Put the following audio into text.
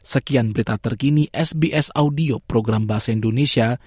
sekian berita terkini sbs audio program bahasa indonesia